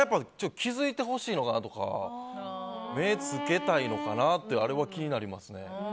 気づいてほしいのかなとか目つけたいのかなってあれは気になります。